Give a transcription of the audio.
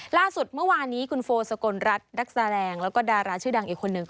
ล่าสุดเมื่อวานนี้คุณโฟสกลรัฐนักแสดงแล้วก็ดาราชื่อดังอีกคนหนึ่ง